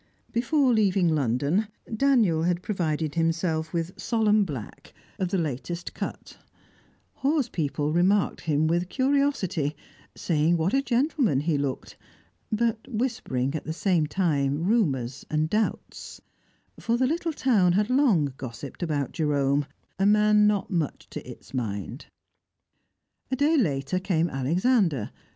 Before leaving London, Daniel had provided himself with solemn black, of the latest cut; Hawes people remarked him with curiosity, saying what a gentleman he looked, but whispering at the same time rumours and doubts; for the little town had long gossiped about Jerome, a man not much to its mind. A day later came Alexander.